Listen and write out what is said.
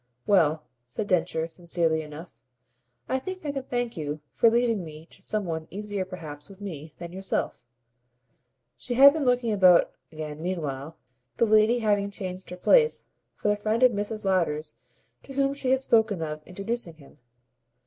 "Well," said Densher sincerely enough, "I think I can thank you for leaving me to some one easier perhaps with me than yourself." She had been looking about again meanwhile, the lady having changed her place, for the friend of Mrs. Lowder's to whom she had spoken of introducing him.